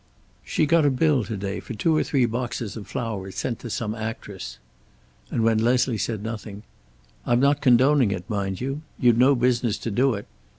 "She got a bill to day for two or three boxes of flowers, sent to some actress." And when Leslie said nothing, "I'm not condoning it, mind you. You'd no business to do it.